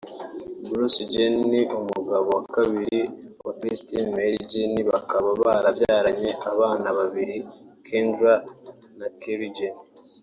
Bruce Jenner ni umugabo wa kabiri wa Kristen Mary Jenner bakaba barabyaranye abana babiri Kendall na Kylie Jenner